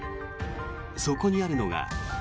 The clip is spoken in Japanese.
そこにあるのが。